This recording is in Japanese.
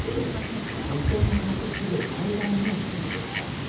日本の観測史上最大の地震でした。